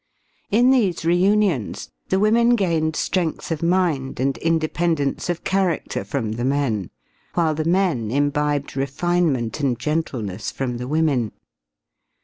In these reunions the women gained strength of mind and independence of character from the men, while the men imbibed refinement and gentleness from the women.